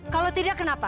kalau tidak kenapa